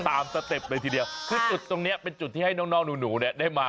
สเต็ปเลยทีเดียวคือจุดตรงเนี้ยเป็นจุดที่ให้น้องหนูเนี่ยได้มา